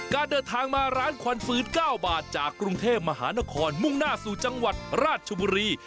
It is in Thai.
การเดินทางมาร้านควันฟื้น๙บาทจากกรุงเทพมหานครมุ่งหน้าสู่จังหวัดราชบุรี